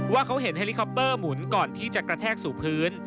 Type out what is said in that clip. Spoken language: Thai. ว่าเขาเห็นเฮลิคอปเตอร์หมุนก่อนที่จะกระแทกสู่พื้น